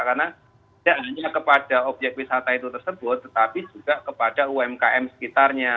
karena tidak hanya kepada obyek wisata itu tersebut tetapi juga kepada umkm sekitarnya